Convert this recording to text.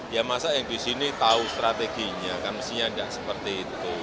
ya masa yang di sini tahu strateginya kan mestinya tidak seperti itu